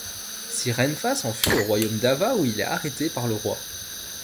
Si Renfa s'enfuit au royaume d'Ava où il est arrêté par le roi.